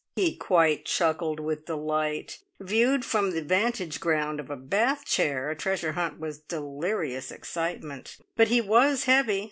He quite chuckled with delight. Viewed from the vantage ground of a bath chair, a Treasure Hunt was delirious excitement, but he was heavy!